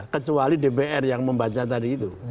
kecuali dpr yang membaca tadi itu